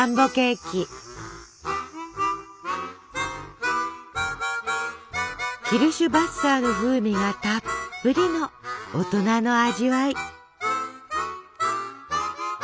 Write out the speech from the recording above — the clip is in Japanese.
キルシュヴァッサーの風味がたっぷりの大人の味わい。